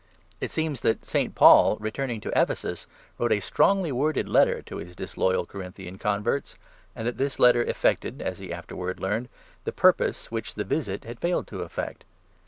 It seems that St. Paul, returning to Ephesus, wrote a strongly worded letter to his disloyal Corinthian converts, and that this letter effected, as he afterwards learned, the purpose which the visit had failed to effect.